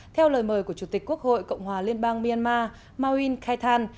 theo lời mời của chủ tịch quốc hội cộng hòa liên bang myanmar maoin khai than